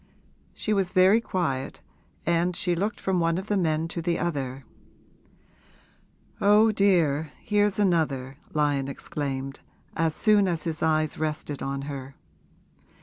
She was very quiet, and she looked from one of the men to the other. 'Oh, dear, here's another!' Lyon exclaimed, as soon as his eyes rested on her.